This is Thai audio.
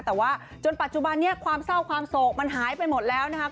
แต่ว่าจนปัจจุบันนี้ความเศร้าความโศกมันหายไปหมดแล้วนะครับ